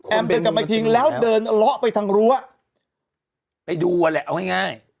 เดินกลับมาทิ้งแล้วเดินเลาะไปทางรั้วไปดูอ่ะแหละเอาง่าย